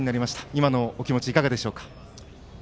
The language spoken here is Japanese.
今のお気持ちはいかがでしょうか。